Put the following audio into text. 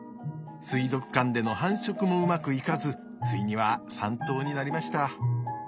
水族館での繁殖もうまくいかずついには３頭になりました。